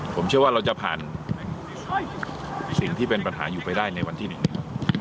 ผมเชื่อว่าเราจะผ่านสิ่งที่เป็นปัญหาอยู่ไปได้ในวันที่๑นี้